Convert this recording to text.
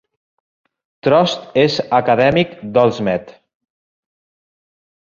Trost és acadèmic d'Olmsted.